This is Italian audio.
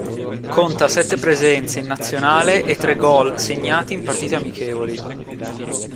Conta sette presenze in nazionale e tre gol segnati in partite amichevoli.